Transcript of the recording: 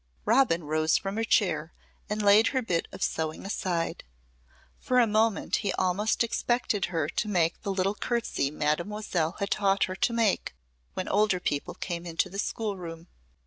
Robin rose from her chair and laid her bit of sewing aside. For a moment he almost expected her to make the little curtsey Mademoiselle had taught her to make when older people came into the schoolroom.